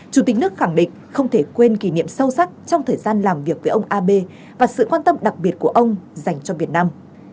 chủ tịch nước khẳng định không thể quên kỷ niệm sâu sắc trong thời gian làm việc với ông abe và sự quan tâm đặc biệt của ông dành cho việt nam